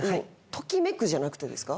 ときめくじゃなくてですか？